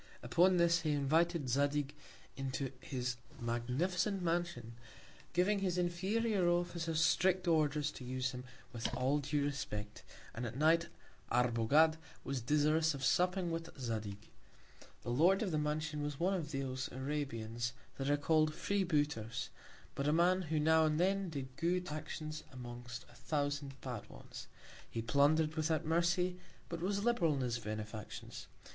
Upon this, he invited Zadig into his magnificent Mansion, giving his inferior Officers strict Orders to use him with all due Respect; and at Night Arbogad was desirous of supping with Zadig. The Lord of the Mansion was one of those Arabians, that are call'd Free booters; but a Man who now and then did good Actions amongst a Thousand bad ones. He plunder'd without Mercy; but was liberal in his Benefactions.